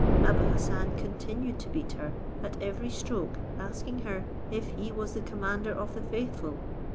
Abou Hassan continued to beat her, at every stroke asking her if he was the commander of the faithful?